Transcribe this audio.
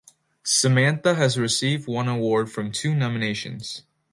Samantha has received one award from two nominations.